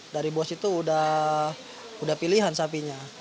dari bos itu udah pilihan sapinya